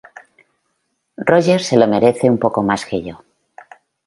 Roger se lo merece un poco más que yo.